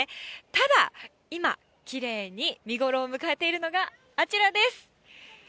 ただ、今、きれいに見頃を迎えているのが、あちらです。